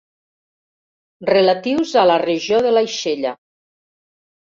Relatius a la regió de l'aixella.